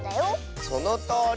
そのとおり！